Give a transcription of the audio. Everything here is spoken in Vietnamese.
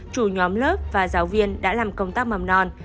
chủ nhóm lớp và giáo viên đã làm công tác mầm non